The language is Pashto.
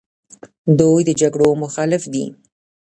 دوی د جګړو مخالف دي.